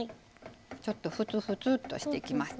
ちょっとふつふつとしてきます。